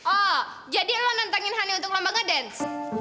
oh jadi lo nentangin hani untuk lambang ngedance